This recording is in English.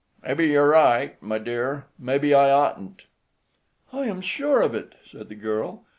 "Mebbe you're right, my dear; mebbe I oughtn't." "I am sure of it," said the girl.